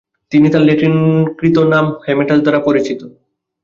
তিনি তার ল্যাটিনকৃত নাম হ্যামেটাস দ্বারা পরিচিত।